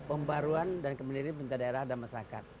pembaruan dan kembalikan bentar daerah dan masyarakat